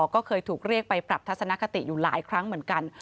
ก็เคยถูกเรียกไปปรับทัศนคติอยู่หลายครั้งเหมือนกัน